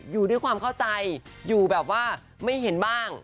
อยู่ด้วยความเข้าใจอยู่แบบว่าไม่เห็นบ้าง